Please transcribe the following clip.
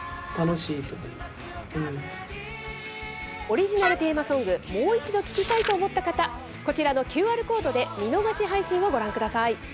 オリジナルテーマソングもう一度聴きたいと思った方こちらのＱＲコードで見逃し配信をご覧下さい。